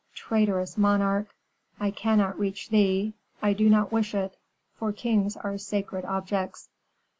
traitorous monarch! I cannot reach thee. I do not wish it; for kings are sacred objects.